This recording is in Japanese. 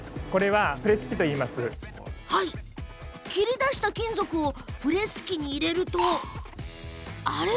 切り出した金属をプレス機に入れるとあれ？